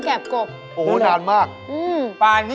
เจ้าไหน